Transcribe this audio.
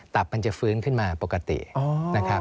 ตับมันจะฟื้นขึ้นมาปกตินะครับ